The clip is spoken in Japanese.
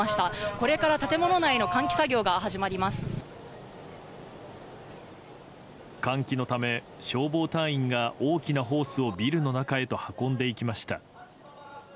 これから建物内の換気作業が始ま換気のため、消防隊員が大きなホースをビルの中へと運んでいきました。